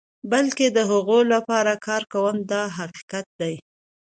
بلکې د هغو لپاره کار کوم دا حقیقت دی.